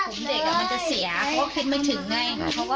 เขาก็คิดไม่ถึงไง